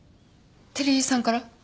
照井さんから？